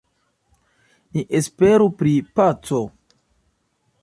Ni esperu pri paco.